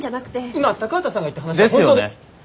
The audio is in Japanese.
今高畑さんが言った話は本当で。ですよね。